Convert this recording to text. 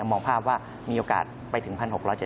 มองภาพว่ามีโอกาสไปถึง๑๖๗๐